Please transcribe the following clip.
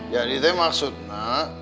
jadi itu maksudnya